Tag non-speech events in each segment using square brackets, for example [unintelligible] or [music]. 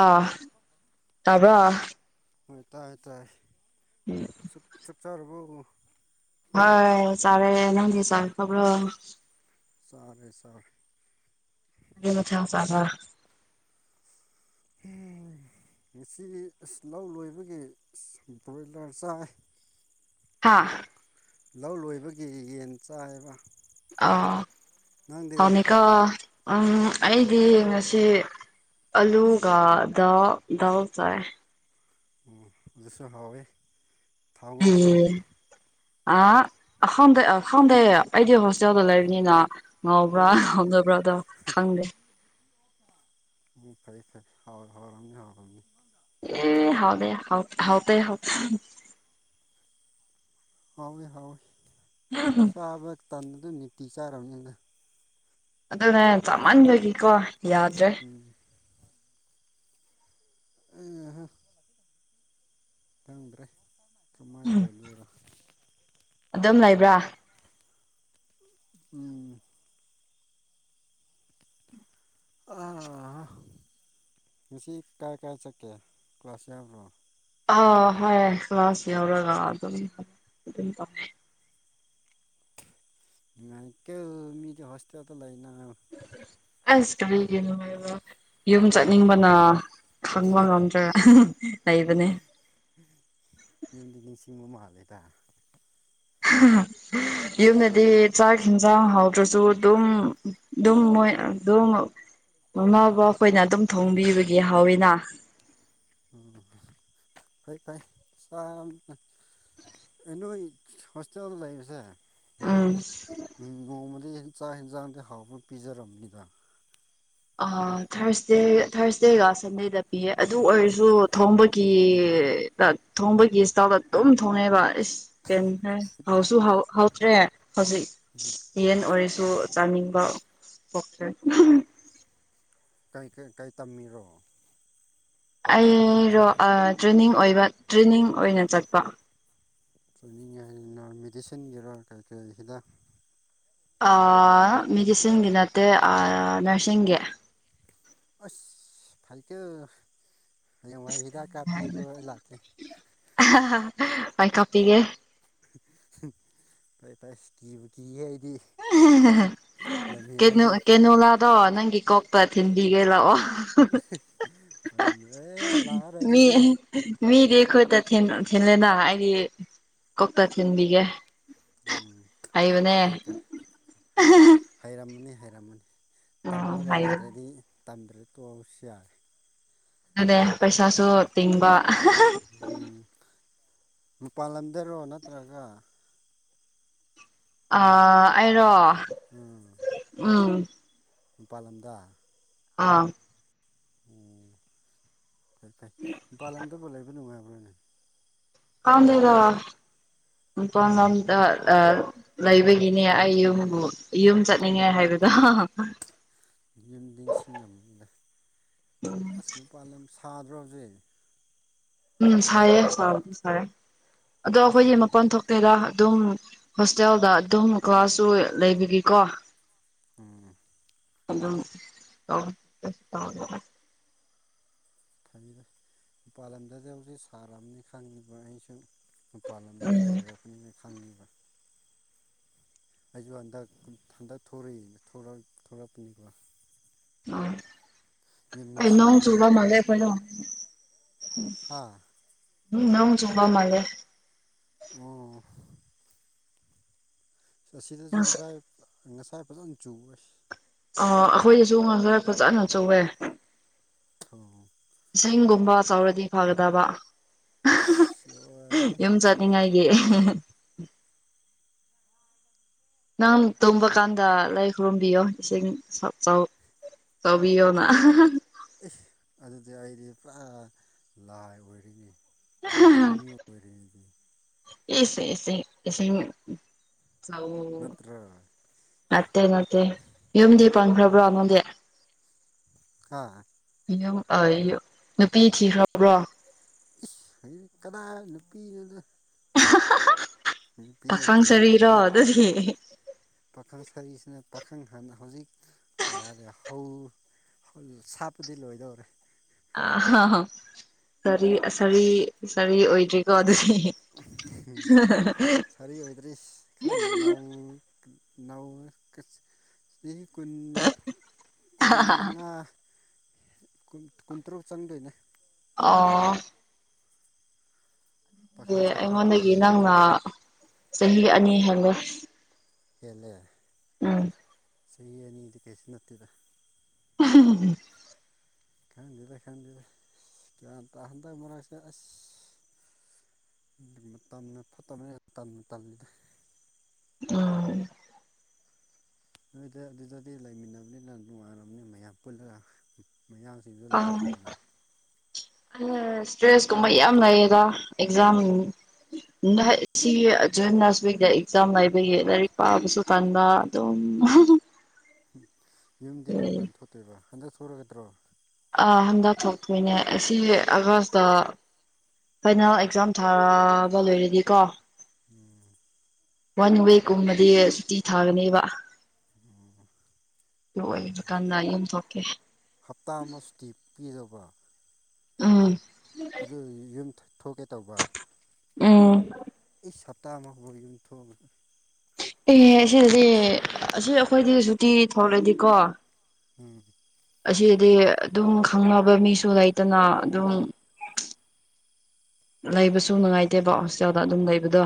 ꯑꯥ ꯇꯥꯕ꯭ꯔꯣ ꯍꯣꯏ ꯇꯥꯏ ꯇꯥꯏ ꯎꯝ ꯆꯥꯛ ꯆꯥꯔꯕꯣ ꯍꯣꯏ ꯆꯔꯦ ꯅꯪꯗꯤ ꯆꯥꯒ꯭ꯔꯕꯣ ꯁꯥꯔꯦ ꯁꯥꯔꯦ ꯀꯔꯤ ꯃꯊꯦꯜ ꯆꯥꯕ ꯉꯁꯤ ꯂꯧ ꯂꯣꯏꯕꯒꯤ ꯕꯣꯏꯂꯔ ꯆꯥꯏ ꯍꯥꯥ ꯂꯧ ꯂꯣꯏꯕꯒꯤ ꯌꯦꯟ ꯆꯥꯏꯕ ꯑꯣ ꯅꯪꯗꯤ ꯍꯧꯅꯤꯒꯣ ꯑꯩꯗꯤ ꯉꯁꯤ ꯑꯂꯨꯒ ꯗꯥ ꯗꯥꯎ ꯆꯥꯏ ꯎꯝ ꯑꯗꯨꯁꯨ ꯍꯥꯎꯋꯦ ꯊꯥꯎ ꯉꯧꯕ꯭ꯔꯣ ꯎꯝ ꯑꯥ ꯈꯪꯗꯩ ꯈꯪꯗꯦ ꯑꯩꯗꯤ ꯍꯣꯁꯇꯦꯜꯗ ꯂꯩꯕꯅꯤꯅ ꯉꯥꯎꯕ꯭ꯔꯥ ꯑꯣ ꯉꯥꯎꯗꯕ꯭ꯔꯥ ꯑꯗꯣ ꯈꯪꯗꯦ꯫ ꯎꯝ ꯐꯩ ꯐꯩꯥ ꯍꯥꯎꯔꯝꯅꯤ ꯍꯥꯎꯔꯝꯅꯤ ꯑꯦ ꯍꯥꯎꯗꯦ ꯍꯥꯎ ꯍꯥꯎꯇꯦ ꯍꯥꯎ ꯍꯥꯎꯋꯦ ꯍꯎꯋꯦ ꯍ ꯍ ꯆꯥꯕ ꯇꯟꯕꯗꯨ ꯅꯨꯡꯇꯤ ꯆꯥꯔꯝꯅꯤꯗ ꯑꯗꯨꯅꯦ ꯆꯥꯃꯟꯕꯒꯤꯀꯣ ꯌꯥꯗ꯭ꯔꯦ ꯎꯝ ꯑꯍ ꯈꯪꯗ꯭ꯔꯦ ꯀꯃꯥꯏꯟ ꯇꯧꯗꯣꯏꯔ ꯑꯗꯨꯝ ꯂꯩꯕ꯭ꯔꯥ ꯎꯝ ꯉꯁꯤ ꯀꯥꯏ ꯀꯥꯏ ꯆꯠꯀꯦ ꯀ꯭ꯂꯥꯁ ꯌꯥꯎꯕ꯭ꯔꯣ ꯑꯥ ꯍꯥꯏ ꯀ꯭ꯂꯥꯁ ꯌꯥꯎꯔꯒ ꯑꯗꯨꯝ ꯑꯗꯨꯝ ꯇꯝꯃꯦ ꯅꯨꯉꯥꯏꯀꫭ ꯃꯤꯗꯤ ꯍꫭꯁꯇꯦꯜꯗ ꯂꯩꯅ ꯑꯁ ꯀꯔꯤꯒꯤꯅꯣ ꯍꯥꯏꯕ ꯌꯨꯝ ꯆꯠꯅꯤꯡꯕꯅ ꯈꯥꯡꯕ ꯍꯦ ꯉꯝꯗ꯭ꯔꯦ ꯂꯩꯕꯅꯦ ꯌꯨꯝꯗꯤ ꯅꯤꯡꯁꯤꯡꯕ ꯃꯥꯜꯂꯦꯗ [unintelligible] ꯌꯨꯝꯗꯗꯤ ꯆꯥꯛ ꯍꯟꯖꯥꯡ ꯍꯥꯎꯗ꯭ꯔꯁꯨ ꯑꯗꯨꯝ ꯑꯗꯨꯝ ꯃꯣꯏ ꯑꯗꯨꯝ ꯃꯃꯥ ꯕꯕꯥ ꯈꯣꯏꯅ ꯑꯗꯨꯝ ꯊꯣꯡꯕꯤꯕꯒꯤ ꯍꯥꯎꯋꯤꯅ ꯎꯝ ꯐꯩ ꯐꯩ ꯆꯥꯝꯅ ꯑ ꯅꯣꯏ ꯍꯣꯁꯇꯦꯜ ꯂꯩꯕꯁꯦ ꯎꯝ ꯅꯣꯡꯃꯗꯤ ꯆꯥꯛ ꯍꯦꯟꯖꯥꯡꯗꯤ ꯍꯥꯎꯅ ꯄꯤꯖꯔꯝꯅꯤꯗ ꯊꯥꯔꯁꯗꯦ ꯊꯥꯔꯁꯗꯦꯒ ꯁꯟꯗꯦꯗ ꯄꯤꯌꯦ ꯑꯗꯨ ꯑꯣꯏꯔꯁꯨ ꯊꯣꯡꯕꯒꯤ ꯊꯣꯡꯕꯒꯤ ꯏꯁꯇꯥꯜꯗ ꯑꯗꯨꯝ ꯊꯣꯡꯉꯦꯕ ꯑꯁ ꯍꯧꯁꯨ ꯍꯧꯇ꯭ꯔꯦ ꯍꯧꯖꯤꯛ꯫ ꯎꯝ ꯌꯦꯟ ꯑꯣꯏꯔꯁꯨ ꯆꯥꯅꯤꯡꯕ ꯄꯣꯛꯇ꯭ꯔꯦ [unintelligible] ꯀꯩ ꯀꯩ ꯇꯝꯃꯤꯔꯣ꯫ ꯑꯩꯔꯣ ꯇ꯭ꯔꯦꯅꯤꯡ ꯑꯣꯏꯕ ꯇ꯭ꯔꯦꯅꯤꯡ ꯑꯣꯏꯅ ꯆꯠꯄ ꯆꯣꯏꯅꯤꯡꯉꯥꯏ ꯍꯥꯏꯅ ꯃꯦꯗꯤꯁꯤꯟꯒꯤꯔꯥ ꯀꯩ ꯀꯩ ꯍꯤꯗꯥꯛ ꯑ ꯃꯦꯗꯤꯁꯤꯟꯒꯤ ꯅꯠꯇꯦ ꯑ ꯅꯔꯁꯤꯡꯒꯤ꯫ ꯑꯁ ꯐꯩꯀꯣ ꯍꯌꯦꯡꯋꯥꯏ ꯍꯤꯗꯥꯛ ꯀꯥꯄꯤꯖꯨꯀꯣ ꯑꯩ ꯂꯥꯛꯀꯦ꯫ ꯑꯩ ꯀꯥꯄꯤꯒꯦ ꯐꯩ ꯐꯩ ꯀꯤꯕꯨ ꯀꯤꯌꯦ ꯑꯩꯗꯤ ꯑꯍꯍꯥ ꯂꯝꯍꯦꯜꯂꯗꯤ ꯀꯦꯅꯣ-ꯀꯦꯅꯣꯂꯥꯗꯣ ꯅꯪꯒꯤ ꯀꯣꯛꯇ ꯊꯤꯟꯕꯤꯒꯦ ꯂꯥꯛꯑꯣ [unintelligible] ꯑꯦ ꯑꯗꯨ ꯂꯥꯛꯑꯔꯣꯏ ꯃꯤ ꯑꯗꯨꯗꯤ꯫ ꯃꯤꯗꯤ ꯈꯨꯠꯇ ꯊꯦꯜꯂꯦꯅ ꯑꯩꯗꯤ ꯀꯣꯛꯇ ꯊꯤꯟꯕꯤꯒꯦ ꯎꯝ ꯍꯩꯕꯅꯦ ꯐꯩ ꯀꯣ ꯍꯩꯔꯝꯃꯅꯤ ꯍꯩꯔꯝꯃꯅꯤ ꯎꯝ ꯇꯝꯃꯒ ꯍꯩꯕꯅꯦ ꯍꯩꯇ꯭ꯔꯗꯤ ꯇꯝꯗ꯭ꯔ ꯇꯣꯛꯑꯁꯨ ꯌꯥꯔꯦ꯫ ꯑꯗꯨꯅꯦ ꯄꯩꯁꯥꯁꯨ ꯇꯤꯡꯕ ꯎꯝ ꯃꯄꯥꯜꯂꯝꯗꯔꯣ ꯅꯠꯇ꯭ꯔꯒ ꯑ ꯑꯩꯔꯣ ꯎꯝ ꯎꯝ ꯃꯄꯥꯟ ꯂꯝꯗ ꯑꯥ ꯑꯣ ꯐꯩ ꯐꯩ ꯃꯄꯥꯜꯂꯝꯗꯕꯨ ꯂꯩꯕ ꯅꯨꯡꯉꯥꯏꯕ꯭ꯔꯣꯅꯦ ꯈꯪꯗꯦꯗ ꯃꯄꯥꯟ ꯂꯝꯗ ꯑ ꯂꯩꯕꯒꯤꯅꯦ ꯑꯩ ꯌꯨꯝꯕꯨ ꯌꯨꯝ ꯆꯠꯅꯤꯡꯉꯦ ꯍꯥꯏꯕꯗꯣ ꯌꯨꯝ ꯅꯤꯡꯁꯤꯡꯉꯝꯕꯅꯤꯗ ꯑꯁ ꯃꯄꯥꯟꯂꯝ ꯁꯥꯗ꯭ꯔꯣ ꯍꯧꯖꯤꯛ ꯎꯝ ꯁꯥꯏꯌꯦ ꯁꯥꯕꯗꯤ ꯁꯥꯏꯌꯦ ꯑꯗꯣ ꯑꯩꯈꯣꯏꯒꯤ ꯃꯄꯥꯟ ꯊꯣꯛ ꯇꯦꯔ ꯑꯗꯨꯝ ꯍꯣꯁꯇꯦꯜꯗ ꯑꯗꯨꯝ ꯀ꯭ꯂꯥꯁꯁꯨ ꯂꯩꯕꯒꯤꯀꯣ ꯎꯝ꯫ ꯑꯗꯨꯝ ꯇꯧꯋꯦ ꯀꯩꯁꯨ ꯇꯧꯗꯦꯗ꯫ ꯊꯝꯕꯤꯔ ꯃꯄꯥꯥꯟ ꯂꯝꯗꯗꯤ ꯍꯧꯖꯤꯛ ꯁꯥꯔꯕꯅꯤ ꯈꯪꯉꯤꯕ ꯑꯩꯁꯨ ꯃꯄꯥꯟ ꯂꯝꯗ ꯂꯩꯔꯛꯄꯅꯤꯅ ꯈꯪꯉꯤꯕ꯫ ꯑꯩꯁꯨ ꯍꯟꯗꯛ ꯍꯟꯗꯛ ꯊꯣꯔꯛꯏ ꯊꫭꯔꯛ ꯊꫭꯔꯛꯄꯅꯤꯀꯣ ꯎꯝ ꯑꯩ ꯅꯣꯡ ꯆꯨꯕ ꯃꯥꯜꯂꯦ ꯑꯩꯈꯣꯏꯗꯣ [unintelligible] ꯍꯥꯥ ꯎꯝ ꯅꫭꯡ ꯆꯨꯕ ꯃꯥꯂꯦ ꯑꯣ ꯆꯁꯤꯗꯁꯨ ꯉꯁꯥꯏ ꯉꯁꯥꯏ ꯐꯖꯅ ꯆ ꯑ ꯑꯩꯈꯣꯏꯗꯁꯨ ꯉꯥꯡ [unintelligible] ꯈꯣ ꯏꯁꯩꯒꯨꯝꯕ ꯆꯥꯎꯔꯗꯤ ꯐꯒꯗꯕ ꯑꯁ ꯂꯣꯏꯔꯦꯍꯦ ꯅꯤꯡꯉꯥꯏꯒꯤ ꯅꯪ ꯇꯨꯝꯕꯀꯥꯟꯗ ꯂꯩ ꯈꯨꯔꯨꯝꯕꯤꯌꯣ ꯏꯁꯤꯡꯆ ꯇꯧꯕꯌꯣꯅ ꯑꯍꯥꯍꯥ ꯑꯦ ꯑꯗꯨꯗꯤ ꯑꯩꯗꯤ ꯄꯨꯔꯥ ꯂꯥꯏ ꯑꯣꯏꯔꯤꯅꯤ ꯐꯠꯇꯕ ꯃꯤ ꯑꯣꯏꯔꯦ ꯑꯗꯨꯗꯤ꯫ ꯌꯦꯁꯁꯦꯁ ꯏꯁꯤꯡ ꯑꯣ ꯅꯠꯇ꯭ꯔ ꯅꯠꯇꯦ ꯅꯠꯇꯦ ꯌꯨꯝꯗꯤ ꯄꯥꯟꯈ꯭ꯔꯕ꯭ꯔꯣ ꯅꯪꯗꯤ ꯍꯥꯥ ꯨꯌꯨꯝ ꯑ ꯌꯨꯝ ꯅꯨꯄꯤ ꯊꯤꯈ꯭ꯔꯕ꯭ꯔꯣ ꯏꯁ [unintelligible] ꯀꯗꯥꯏ ꯅꯨꯄꯤꯅꯣꯗ꯫ ꯅꯨꯄꯤ ꯄꯥꯈꯪ ꯁꯔꯤꯔꯣ ꯊꯤꯄ ꯑꯗꯨꯗꯤ ꯄꯥꯈꯪ ꯁꯥꯔꯤꯁꯤꯅ ꯄꯥꯈꯪ ꯍꯥꯟꯅ ꯍꯧꯖꯤꯛ ꯀꯌꯥ ꯂꯩ ꯐꯧ ꯐꯨꯜ ꯁꯥꯠꯄꯗꯤ ꯂꯣꯏꯗꯧꯔꯦ ꯑꯍꯍꯥ ꯑꯔꯤ ꯁꯥꯔꯤ-ꯁꯥꯔꯤ ꯑꯣꯏꯗ꯭ꯔꯤꯀꯣ ꯑꯗꯨꯗꯤ ꯎꯝ ꯍꯝ ꯁꯔꯤ ꯑꯏꯗ꯭ꯔꯤꯁ ꯈꯔ ꯅꯧ ꯅꯧꯔꯤ ꯆꯍꯤ ꯀꯨꯟ ꯀꯨꯟ ꯃꯉꯥ ꯀꯨꯟ ꯀꯨꯟꯇꯔꯨꯛ ꯆꯪꯗꯣꯏꯅꯦ꯫ ꯑꯣ ꯑ ꯄꯥꯈꯪ ꯁꯥꯔꯤ ꯅꯠꯇ꯭ꯔꯤꯍꯦ ꯑꯩꯉꯣꯟꯗꯒꯤ ꯑꯗꯨꯗꯤ ꯅꯪꯅ ꯆꯍꯤ ꯑꯅꯤ ꯍꯦꯟꯂꯦ ꯈꯂꯦ ꯎꯝ ꯆꯍꯤ ꯑꯅꯤꯗꯤ ꯀꯩꯁꯨ ꯅꯠꯇꯦꯗ ꯎꯝ ꯈꯪꯗꯦꯗ ꯈꯪꯗꯦꯗ ꯒ꯭ꯌꯥꯟ ꯇ ꯍꯟꯇꯛ ꯃꯔꯛꯁꯦ ꯑꯁ ꯑꯗꯨ ꯃꯇꯝꯅ ꯐꯠꯇꯕꯅꯦ ꯌꯥꯝ ꯇꯟꯕꯨ ꯇꯜꯂꯤꯗ꯫ ꯑ ꯅꯣꯏꯗ ꯑꯗꯨꯗꯗꯤ ꯂꯩꯃꯤꯟꯅꯕꯅꯤꯅ ꯅꯨꯡꯉꯥꯏꯔꯝꯅꯤ ꯃꯌꯥꯝ ꯄꯨꯜꯂꯒ ꯃꯌꯥꯝ ꯑꯥ ꯑ ꯏꯁꯇ꯭ꯔꯦꯁ ꯀꯨꯝꯕ ꯌꯥꯝ ꯂꯩꯌꯦꯗ ꯑꯦꯛꯖꯥꯝ ꯁꯤꯖ ꯅꯁ ꯋꯤꯛꯇ ꯑꯦꯛꯖꯥꯝ ꯂꯩꯕꯒꯤ ꯂꯥꯏꯔꯤꯛ ꯄꯥꯕꯁꯨ ꯄ [unintelligible] ꯌꯨꯝꯗꯤ ꯀꯔꯝ ꯀꯥꯟꯗ ꯊꯣꯛꯇꯣꯏꯕ ꯍꯟꯗꯛ ꯊꯣꯛꯛꯒꯗ꯭ꯔꯣ ꯑ ꯍꯟꯗꯛ ꯊꯣꯛꯇꯣꯏꯅꯦ ꯑꯁꯤ ꯑꯥꯒꯁꯇ ꯑꯈꫭꯏꯅꯥ ꯑꯦꯛꯖꯥꯝ ꯊꯥꯕ ꯂꯣꯏꯔꯗꯤꯀꯣ ꯎꯝ ꯋꯥꯟ ꯋꯤꯛꯀꯨꯝꯕꯗꯤ ꯁꯨꯇꯤ ꯊꯥꯒꯅꯦꯕ ꯑꯣ ꯑꯗꯨ ꯑꫭꯏꯕ ꯀꯥꯟꯗ ꯌꯨꯝꯊꯣꯛꯀꯦ ꯍꯞꯇꯥ ꯑꯃ ꯁꯨꯇꯤ ꯄꯤꯔꯕ ꯎꯝ ꯑꯗꯨ ꯌꯨꯝ ꯊꯣꯛꯀꯦ ꯇꯧꯕ ꯎꯝ ꯏꯁ ꯍꯞꯇꯥ ꯑꯃꯕꯨ ꯌꯨꯝꯊꯣꯛꯑ [unintelligible] ꯑꯦꯍ ꯑꯁꯤꯗꯤ ꯑꯁꯤ ꯑꯩꯈꯣꯏꯗꯤ ꯁꯨꯇꯤ ꯊꯂꯛꯏꯗꯤꯀꯣ ꯎꯝ꯫ ꯑꯁꯤꯗꯤ ꯑꯗꯨꯝ ꯈꯪꯅꯕ ꯃꯤꯁꯨ ꯂꯩꯇꯅ ꯑꯗꯨꯝ ꯂꯩꯕꯁꯨ ꯅꯨꯡꯉꯥꯏꯇꯦꯕ ꯍꯣꯁꯇꯦꯜꯗ ꯑꯗꯨꯝ ꯂꯩꯕꯗꯣ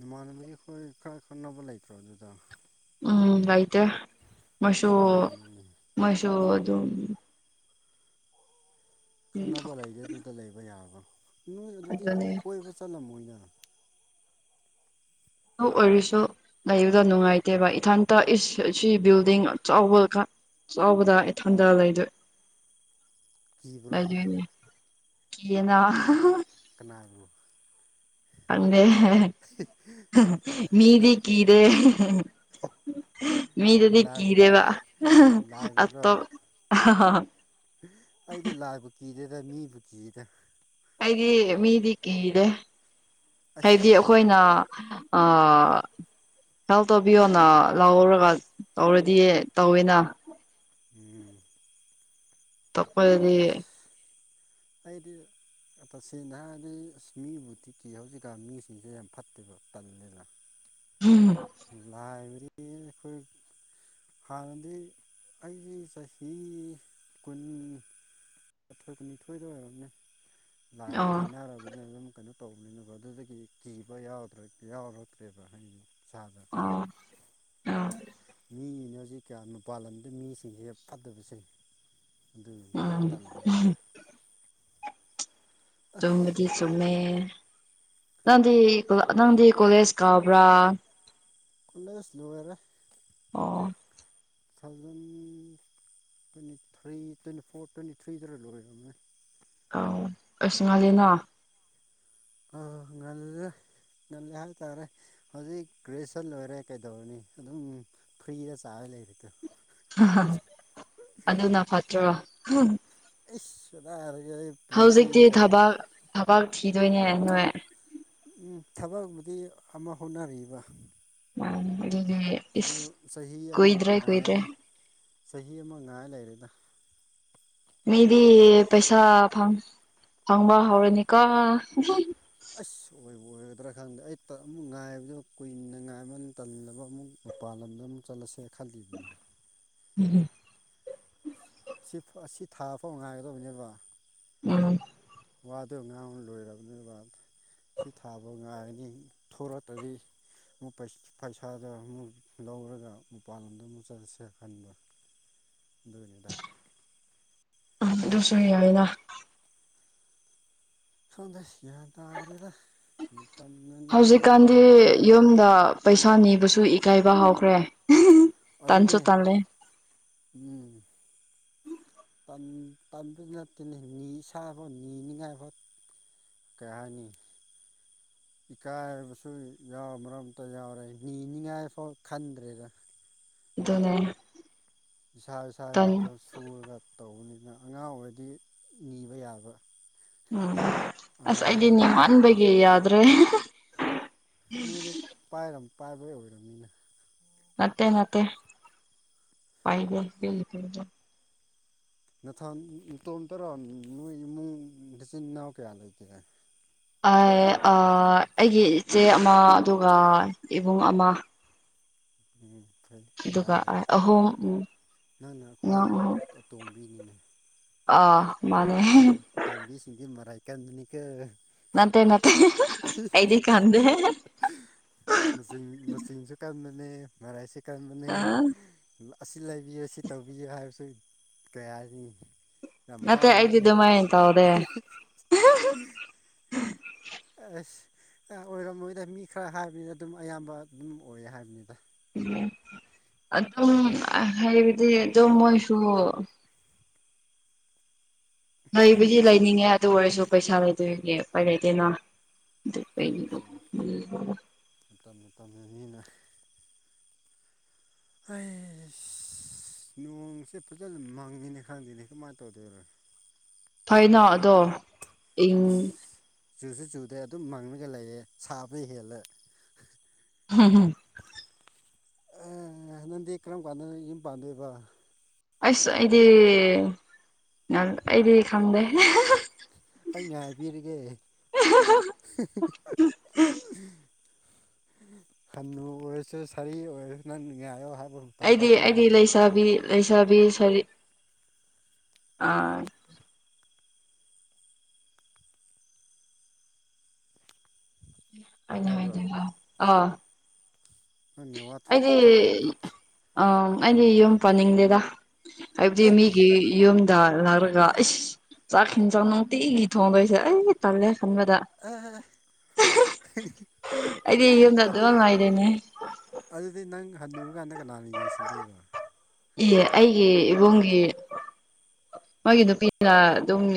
ꯅꯃꯥꯟꯅꯕ ꯑꯩꯈꯣꯏ ꯈꯔ ꯈꯪꯅꯕ ꯂꯩꯇ꯭ꯔꯣ ꯑꯗꯨꯗ ꯎꯝ ꯂꯩꯥꯏꯇꯦ ꯃꫭꯏꯁꯨ ꯑꯁ ꯑꯗꯨꯒꯤꯅꯤꯅꯦ ꯃꫭꯏꯁꯨ ꯑꯗꯨꯝ ꯈꯨꯅꯕ ꯂꯩꯔꯦ ꯑꯗꯨꯗ ꯂꯩꯕ ꯌꯥꯕ꯭ꯔꯥ ꯅꯣꯏ ꯑꯗꯨꯗꯤ ꯑꯗꯨꯅꯦ ꯀꯣꯏꯕ ꯆꯠꯂꯝꯃꯣꯏꯅꯥ [unintelligible] ꯑꯣꯏꯔꯁꯨ ꯂꯩꯕꯗꫭ ꯅꯨꯡꯉꯥꯏꯇꯦꯕ ꯏꯊꯟꯇ ꯏꯁ ꯁꯤ ꯕꯤꯜꯗꯤꯡ ꯑ ꯆꯥꯎꯕ ꯈꯛ ꯆꯥꯎꯕꯗ ꯏꯊꯟꯗ ꯂꯩꯗꯣꯏ [inaudible] ꯂꯩꯗꫭꯏꯅꯦ ꯀꯤꯌ‌ꯦꯅ ꯀꯟꯅꯥꯕꯨ ꯈꯪꯗ‌ꯦ ꯃꯤꯗꯤ ꯀꯤꯗ‌ꯦ ꯃꯤꯗꯨꯗꯤ ꯂꯥꯏꯕꯨ ꯀꯤꯗ‌ꯦꯕ [unintelligible] ꯂꯥꯏꯕꯨꯔꯣ ꯑꯇꯣꯞ [unintelligible] ꯑꯩꯗꯤ ꯂꯥꯏꯕꯨ ꯀꯤꯗꯦꯗ ꯃꯤꯕꯨ ꯀꯤꯗ ꯑꯩꯗꯤ ꯃꯤꯗꯤ ꯀꯤꯗ‌ꯦ ꯑꯁ ꯍꯥꯏꯗꯤ ꯑꯩꯈꯣꯏꯅ ꯑꫭ ꯍꯦꯜꯞ ꯇꯧꯕꯤꯌꯣꯅ ꯂꯧꯔꯒ ꯇꯧꯔꯗꯤ ꯇꯧꯋꯦꯅ ꯎꯝ꯫ ꯇꯄꯣꯏꯗꯤ [unintelligible] ꯑꯁ ꯑꯩꯗꯤ ꯇꯁꯦꯡꯅ ꯍꯥꯏꯔꯗꯤ ꯑꯁ ꯃꯤꯕꯨꯗꯤ ꯀꯤ ꯍꯧꯖꯤꯛꯀꯥꯟ ꯃꯤꯁꯤꯡꯁꯦ ꯌꯥꯝ ꯐꯠꯇꯦꯕ ꯇꯜꯂꯦꯅ [inaudible] ꯎꯝ ꯂꯥꯏꯕꯔꯤ [unintelligible] ꯑꯩꯈꯣꯏ ꯍꯥꯟꯅꯗꯤ ꯑꯩꯗꯤ ꯆꯍꯤ ꯀꯨꯟ ꯊꯣꯏ ꯀꯨꯟꯅꯤꯊꯣꯏꯗ ꯑꯣꯏꯔꯅꯤ‌ ꯂꯥꯏꯒ ꯑꯣ ꯊꯦꯡꯅꯔꯕꯅꯤ ꯑꯗꯨꯝ ꯀꯩꯅꯣ ꯇꯧꯕꯅꯤꯅꯀ‌ꫭ ꯑꯗꯨꯗꯒꯤ ꯀꯤꯕ ꯌꯥꯗ꯭ꯔ ꯌꯥꯎꯔꯛꯇ꯭ꯔꯦꯕ ꯍꯥꯏꯗꯤ ꯏꯁꯥꯗ ꯑꯣ ꯑꯣ ꯃꯤꯅꯤ ꯍꯧꯖꯤꯛ ꯀꯌꯥ ꯃꯄꯥꯟ ꯂꯝꯗ ꯃꯤꯁꯤꯡꯁꯦ ꯐꯠꯇꯕꯁꯦ ꯎꯝ ꯑꯗꯨꯒꯤꯅꯤ ꯑꯍꯝ ꯇꯜꯂꯦꯕ ꯆꯣꯡꯃ‌ꯦ ꯆꯨꯝꯃꯦ ꯅꯪꯗꯤ ꯅꯪꯗꯤ ꯀꯣꯂꯦꯖ ꯀꯥꯕ꯭ꯔꯥ ꯀꫭꯂꯦꯁ ꯂꫭꯏꯔꯦ ꯑꯣ two thousand twenty three twenty four twenty ꯊ꯭ꯔꯤꯗꯔ ꯂꯣꯏꯔꯝꯅꯤ ꯑꯧ ꯑꯁ ꯉꯥꯟꯂꯤꯅ ꯑ ꯉꯜꯂ‌ꯦ ꯉꯜꯂ‌ꯦ ꯍꯥꯏꯕ ꯇꯔꯦ ꯍꯧꯖꯤꯛ ꯒ꯭ꯔꯦꯖꯨꯌꯦꯁꯟ ꯂꯣꯏꯔꯦ ꯀꯩꯗꯧꯔꯅꯤ ꯑꯗꯨꯝ ꯐ꯭ꯔꯤꯗ ꯆꯥꯔ ꯂꯩꯔꯤꯗꯣ ꯍꯥꯍꯍꯥ ꯑꯗꯨꯅ ꯐꯠꯇ꯭ꯔꫭ ꯑꯩꯗ ꯍꯥꯏꯒ ꯍꯧꯖꯤꯛꯇꯤ ꯊꯕꯛ ꯊꯕꯛ ꯊꯤꯗꯣꯏꯅꯦ ꯅꯣꯏ꯫ ꯎ ꯊꯕꯛꯕꯨꯗꯤ ꯑꯃ ꯍꯣꯠꯅꯔꯤꯕ ꯃꯥꯅꯤ ꯑꯗꯨꯅꯦ ꯑꯗꯨ ꯆꯍꯤ ꯑꯃ ꯉꯥꯏ ꯆꯍꯤ ꯑꯃ ꯉꯥꯏ ꯂꯩꯔꯦꯗ ꯃꯤꯗꯤ ꯑꯗꯨꯁꯨ ꯄꯩꯁꯥ ꯐꯪ-ꯐꯪꯕ ꯍꯧꯔꯅꯤꯀꯣ ꯑꯁ ꯑꯣꯏꯕꯨ ꯑꯣꯏꯒꯗ꯭ꯔꯥ ꯈꯪꯗꯦ ꯑꯩ ꯑꯃꯨꯛ ꯉꯥꯏꯕꯗ ꯀꯨꯏꯅ ꯉꯥꯏꯃꯟ ꯇꯜꯂꯕ ꯑꯃꯨꯛ ꯃ ꯃꯄꯥꯟ ꯂꯝꯗ ꯑꯃꯨꯛ ꯆꯠꯂꯁꯦ ꯈꯜꯂꯤꯕꯅꯤ ꯎꯝꯨꯝ ꯁꯤ ꯑꯁꯤ ꯊꯥꯐꯥꯎ ꯉꯥꯏꯒꯗꯕꯅꯦꯕ ꯎꯝ ꯋꯥꯗꯨꯣ ꯉꯥꯡꯕ ꯂꯣꯏꯔꯕꯅꯤꯕ ꯁꯤ ꯊꯥꯕ ꯉꯥꯏꯔꯅꯤ ꯊꯣꯔꯛꯇꯔꯤ ꯃꯨꯛ ꯄꯩꯁꯥꯗ ꯑꯃꯨꯛ ꯂꯧꯔꯒ ꯃꯄꯥꯟꯂꯣꯝꯗ ꯑꯃꯨꯛ ꯆꯠꯂꯁꯦꯔ ꯈꯟꯕ ꯅꯦꯗ ꯎ ꯑꯗꯨꯣꯁꯨ ꯍ ꯌꯥꯑꯗ ꯈꯪꯗꯩ ꯒ꯭ꯌꯥꯟ ꯇꯥꯗꯔꯦꯗꯅ ꯃꯇꯝꯅ ꯅꯪꯅ ꯅꯨꯡꯉꯥꯏꯇꯕꯅꯤꯅ ꯑ ꯄꯩꯁꯥ ꯅꯤꯕꯁꯨ ꯏꯀꯥꯏꯕ ꯍꯧꯥꯎꯈ꯭ꯔꯦ ꯑꯗꯨꯅꯦ ꯎꯝ ꯎꯝ ꯇꯟ ꯇꯟꯕꯒꯤ ꯅꯠꯇꯦꯅꯦ ꯅꯤ ꯁꯥꯕ ꯅꯤ ꯅꯤꯅꯤꯉꯥꯏꯕ ꯀꯩ ꯍꯥꯏꯅꯤ ꯏꯀꯥꯏꯕꯁꯨ ꯌꯥꯎꯕ ꯃꯔꯣ ꯑꯇ ꯌꯥꯎꯔꯦ ꯅꯤꯅꯤꯡꯉꯥꯏꯐꯥꯎ ꯈꯟꯗ꯭ꯔꯦꯗ ꯑꯗꯨꯅꯦ ꯏꯁꯥ ꯏꯁꯥꯒꯤ ꯇꯟ ꯅꯠꯇꯒ ꯁꯨꯔꯒ ꯇꯧꯕꯅꯤꯅ ꯑꯉꯥꯡ ꯑꯣꯏꯔꯗꯤ ꯅꯤꯕ ꯌꯥꯕ꯫ ꯎꯝ ꯑꯁ ꯑꯉꯥꯡꯁꯨ ꯑꯩꯗꯤꯅꯤ ꯅꯠꯇ꯭ꯔꯕꯅꯤꯅ ꯑꯥꯟꯕꯕꯒ ꯌꯥꯗ꯭ꯔꯦ ꯅꯣꯏꯗꯤ ꯄꯥꯏꯔ ꯄꯥꯏꯕꯣꯏ ꯑꯣꯏꯔꯕꯅꯤꯅ ꯅꯠꯇꯦ ꯅꯠꯇꯦ ꯄꯥꯏꯗ ꯅꯊꯟ ꯅꯇꯣꯝꯇꯔꯥ ꯅꯣꯏ ꯅꯣꯏ ꯅꯆꯤꯟ ꯅꯅꯥꯎ ꯀꯌꯥ ꯂꯩꯒꯦ꯫ ꯑꯩꯒꯤ ꯏꯆꯦ ꯑꯃ ꯑꯗꯨꯒ ꯏꯕꯨꯡ ꯑꯃ ꯎꯝ ꯐꯩ ꯑꯗꯨꯒ ꯌꯥꯏ ꯌꯥꯏ ꯑꯍꯨꯝ ꯎꯝ ꯅꯪꯅ ꯑꯉꯥꯡ ꯈ꯭ꯋꯥꯏꯗꯒꯤ ꯑꯇꯣꯝꯕꯤꯅꯤꯅꯦ ꯑ ꯃꯥ ꯇꯣ ꯇꯣꯝꯕꯤꯁꯤꯡꯗꯤ ꯃꯔꯥꯏꯀꯥꯟꯗꯅꯤ ꯀ ꯅꯠꯇꯦ ꯅꯥꯠꯇꯦ ꯑꯩꯗꯤ ꯈꯥꯟꯗꯦ ꯆ ꯃꯆꯤꯟꯁꯨ ꯀꯟꯕꯅꯦ ꯃꯔꯥꯏꯁꯨ ꯀꯟꯕꯅꯦ ꯑꯥ ꯑꯁꯤ ꯂꯩꯕꯤꯌꯦ ꯑꯁꯤ ꯇꯧꯕꯤꯌꯣ ꯍꯥꯏꯕꯁꯨ ꯀꯌꯥꯅꯤ ꯌꯥꯝ ꯅꯠꯇꯦ ꯐꯥꯎꯕꯅꯤ ꯑꯩꯗꯤ ꯑꯗꯨꯃꯥꯏꯅ ꯇꯧꯗꯦ ꯑ ꯑꯁ ꯑꯣꯏꯔꯝꯃꯣꯏꯗ ꯃꯤ ꯈꯔ ꯍꯥꯏꯕꯅꯤꯅ ꯑꯗꯨꯝ ꯑꯌꯥꯝꯕ ꯑꯗꯨꯝ ꯑꯣꯏꯌꯦ ꯍꯥꯏꯕꯅꯤꯗ ꯎ ꯑꯗꯨꯝ ꯍꯥꯏꯕꯗꯤ ꯑꯗꯨꯝ ꯃꯣꯏꯁꯨ ꯂꯩꯕꯩꯗꯤ ꯂꯩꯅꯤꯡꯉꯦ ꯑꯗꯨ ꯑꯣꯏꯔꯁꯨ ꯄꯩꯁꯥ ꯂꯩꯇꯕꯒꯤ ꯎꯄꯥꯏ ꯂꯩꯇꯦꯅ꯫ ꯑꯗꯨꯒꯤ ꯆꯨꯝꯃꯦ ꯆꯨꯝꯃꯦ ꯃꯇꯝ ꯃꯇꯝꯅ ꯅꯤꯅ ꯑꯩꯁ ꯅꯣꯡꯁꯦ ꯐꯖꯅ ꯃꯪꯉꯅꯦ ꯈꯪꯗꯦꯅꯦ ꯀꯃꯥꯏꯅ ꯇꯧꯗꯣꯏꯅꯣ ꯐꯅꯣ ꯑꯗꯣ ꯏꯪ ꯏꯁ ꯆꯨꯁꯨ ꯆꯨꯗꯦ ꯑꯗꯨꯝ ꯃꯪꯉꯒ ꯂꯩꯌꯦꯦ ꯁꯥꯕꯩ ꯍꯦꯜꯂꯦ ꯍꯝ ꯍꯝ ꯑꯦ ꯍ ꯅꯪꯗꯤ ꯀꯔꯝ ꯀꯥꯟꯗ ꯌꯨꯝ ꯄꯥꯟꯗꯣꯏꯕ ꯑꯁ ꯑꯩꯗꯤ ꯑꯩꯗꯤ ꯈꯪꯗꯦ ꯑꯩ ꯉꯥꯏꯕꯤꯔꯤꯒꯦ [unintelligible] ꯍꯟꯅꯨꯔꯁꯨ ꯁꯥꯔꯤ ꯑꯣꯏꯔꯁꯨ ꯅꯪ ꯅꯤꯡꯉꯥꯏꯌꯣ ꯍꯥꯏꯕ ꯃꯇꯝ ꯐꯥꯎ ꯑꯩꯗꯤ ꯑꯗꯨꯝ ꯑꯩꯗꯤ ꯉꯥꯏꯔꯅꯤ ꯂꯩꯁꯥꯕꯤ ꯂꯩꯁꯥꯕꯤ ꯁꯔꯤ ꯑꯥ ꯑꯩꯅ ꯇꯥꯕ꯭ꯔꯣ ꯍꯥꯏꯗꯤꯀꯣ ꯑꯥ ꯅꯪ ꯅꯦꯠꯋꯥꯛꯇꯨ ꯑꯩꯗꯤ ꯆꯞ ꯑꯥ ꯑꯩꯗꯤ ꯑꯥ ꯌꯨꯝ ꯄꯥꯅꯤꯡꯗꯦꯗ ꯍꯥꯏꯕꯗꯤ ꯃꯤꯒꯤ ꯌꯨꯝꯗ ꯂꯥꯛꯂꯒ ꯑꯁ ꯆꯥꯛ ꯍꯦꯟꯖꯥꯡ ꯅꯨꯡꯇꯤꯒꯤ ꯊꯣꯡꯗꯣꯏꯁꯦ ꯑꯩ ꯇꯜꯂꯦ ꯈꯟꯕꯗ ꯑꯦ ꯑꯩꯗꯤ ꯌꯨꯝꯗ ꯑꯗꯨꯝ ꯑꯗꯨꯗꯤ ꯂꯩꯗꯣꯏꯅꯦ ꯑꯗꯨꯗꯤ ꯅꯪ ꯍꯟꯅꯨꯔꯀꯥꯟꯗ ꯀꯅꯥꯅ ꯌꯦꯡꯁꯤꯟꯗꯣꯏꯕ ꯏꯌꯦ ꯑꯩꯒꯤ ꯏꯕꯨꯡꯒꯤ ꯃꯒꯤ ꯅꯨꯄꯤꯅ ꯑꯗꯨꯝ